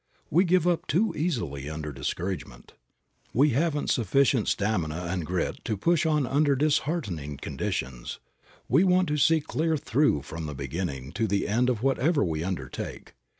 We give up too easily under discouragement. We haven't sufficient stamina and grit to push on under disheartening conditions. We want to see clear through from the beginning to the end of whatever we undertake.